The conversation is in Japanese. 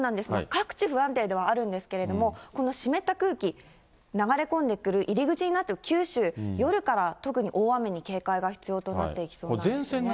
各地不安定ではあるんですが、この湿った空気、流れ込んでくる入り口になっている九州、夜から特に大雨に警戒が必要となっていきそうなんですよね。